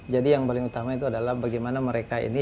jadi yang paling utama itu adalah bagaimana mereka ini